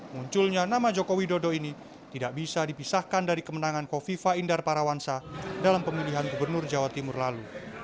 munculnya nama joko widodo ini tidak bisa dipisahkan dari kemenangan kofifa indar parawansa dalam pemilihan gubernur jawa timur lalu